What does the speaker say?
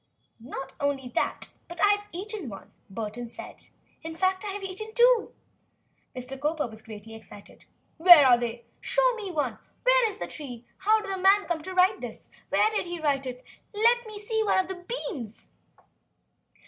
"Not only that but I have eaten one," Burton announced, "in fact I have eaten two." Mr. Cowper was greatly excited. "Where are they?" he exclaimed. "Show me one! Where is the tree? How did the man come to write this? Where did he write it? Let me look at one of the beans!"